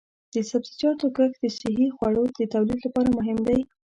د سبزیجاتو کښت د صحي خوړو د تولید لپاره مهم دی.